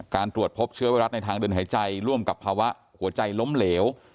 ตรวจพบเชื้อไวรัสในทางเดินหายใจร่วมกับภาวะหัวใจล้มเหลว